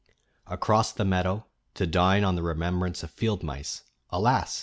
Across the meadow, to dine on the remembrance of field mice alas!